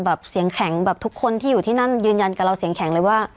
แบบเสียงแข็งแบบทุกคนที่อยู่ที่นั่นยืนยันกับเราเสียงแข็งเลยว่า